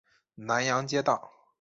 南阳街道